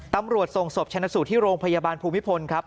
ตำรวจส่งศพชนะสูตรที่โรงพยาบาลภูมิพลครับ